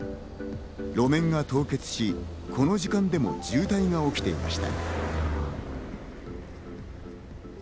路面が凍結し、この時間でも渋滞が起きていました。